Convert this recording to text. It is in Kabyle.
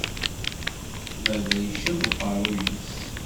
Baba icab uqerru-s.